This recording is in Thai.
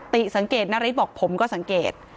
ติสังเกตนาริสบอกผมก็สังเกต